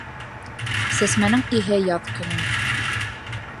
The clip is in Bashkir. Сәсмәнең иһә яҙ көнө